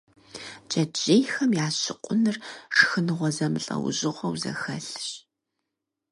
Джэджьейхэм я щыкъуныр шхыныгъуэ зэмылӀэужьыгъуэу зэхэлъщ.